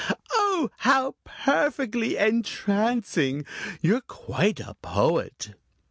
"Oh, how perfectly entrancing! You're quite a poet."